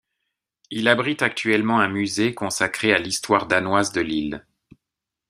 Il abrite actuellement un musée consacré à l'histoire danoise de l'île.